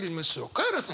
カエラさん。